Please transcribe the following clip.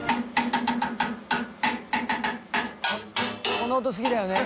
この音好きだよね。